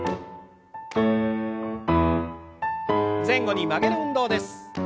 前後に曲げる運動です。